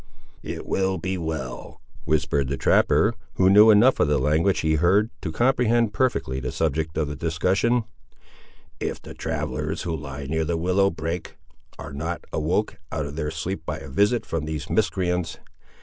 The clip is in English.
"It will be well," whispered the trapper, who knew enough of the language he heard to comprehend perfectly the subject of the discussion, "if the travellers who lie near the willow brake are not awoke out of their sleep by a visit from these miscreants.